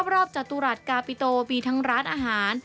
จตุรัสกาปิโตมีทั้งร้านอาหาร